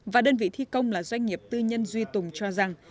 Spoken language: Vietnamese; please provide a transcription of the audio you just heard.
và đơn vị thi công là doanh nghiệp tư nhân duy tùng cho rằng